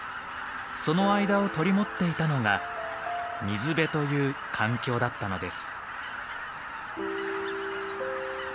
その間を取り持っていたのが水辺という環境だったのです。